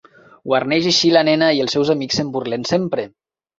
Guarneix així la nena i els seus amics se'n burlen sempre.